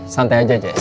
santai aja jess